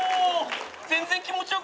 全然気持ちよくないよ。